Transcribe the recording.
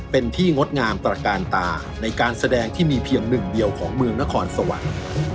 เป็นที่งดงามตระกาลตาในการแสดงที่มีเพียงหนึ่งเดียวของเมืองนครสวรรค์